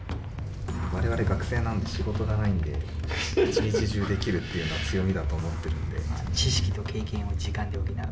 我々学生なんで仕事がないんで１日中できるっていうのは強みだと思ってるんで。